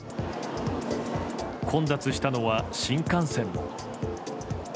混雑したのは、新幹線も。